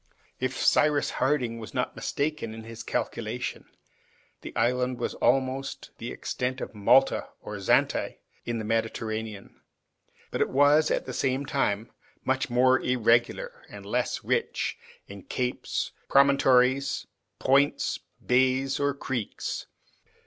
If Cyrus Harding was not mistaken in his calculation, the island had almost the extent of Malta or Zante, in the Mediterranean, but it was at the same time much more irregular and less rich in capes, promontories, points, bays, or creeks.